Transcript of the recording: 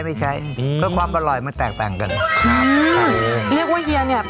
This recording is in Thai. ไม่ใช้อืมก็ความอร่อยมันแตกต่างกันใช่เรียกว่าเฮียเนี้ย